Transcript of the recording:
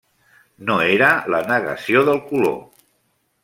No era la negació del color.